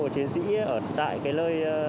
chiến sĩ ở tại cái lơi